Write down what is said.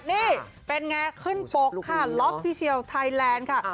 นี่เป็นไงขึ้นปกค่ะล็อกพิเชียลไทยแลนด์ค่ะ